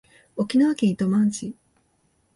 沖縄県糸満市